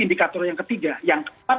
indikator yang ketiga yang keempat